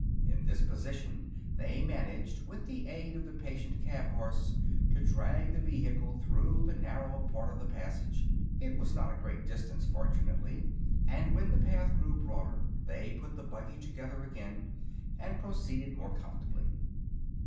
In this position they managed, with the aid of the patient cab horse, to drag the vehicle through the narrow part of the passage. It was not a great distance, fortunately, and when the path grew broader they put the buggy together again and proceeded more comfortably.